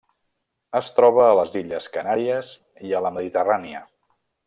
Es troba a les Illes Canàries i a la Mediterrània.